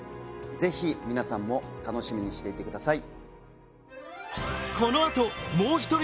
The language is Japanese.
ぜひ皆さんも楽しみにしていてください